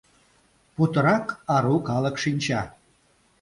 Путырак ару калык шинча...